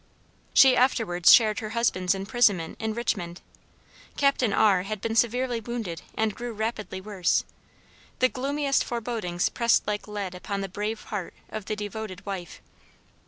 She afterwards shared her husband's imprisonment in Richmond. Captain R had been severely wounded and grew rapidly worse. The gloomiest forebodings pressed like lead upon the brave heart of the devoted wife.